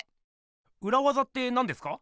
うらわざってなんですか？